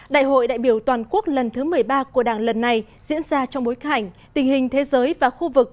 đại hội đại biểu toàn quốc lần thứ một mươi ba của đảng lần này diễn ra trong bối cảnh tình hình thế giới và khu vực